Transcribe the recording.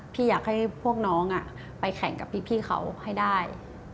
พี่อยากให้พวกน้องไปแข่งกับพี่เขาให้ได้